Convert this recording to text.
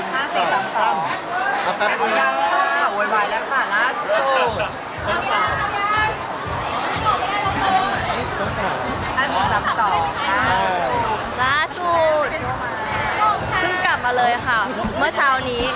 เมื่อเช้านี้เมื่อกลับมาเลยค่ะ